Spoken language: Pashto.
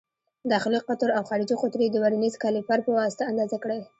داخلي قطر او خارجي قطر یې د ورنیز کالیپر په واسطه اندازه کړئ.